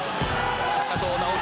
高藤直寿。